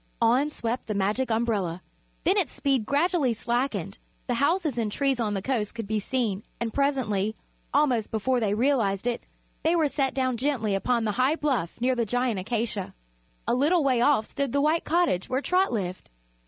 On swept the Magic Umbrella. Then its speed gradually slackened; the houses and trees on the coast could be seen, and presently almost before they realized it they were set down gently upon the high bluff near the giant acacia. A little way off stood the white cottage where Trot lived.